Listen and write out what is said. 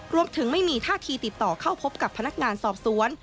รวมถึงไม่มีท่าทีติดต่อเข้าพบกับพนักงานสอบสวน